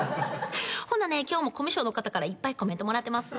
ほなね今日もコミュ障の方からいっぱいコメントもらってます。